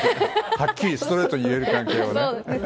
はっきりストレートに言える関係をね。